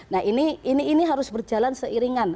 nah ini harus berjalan seiringan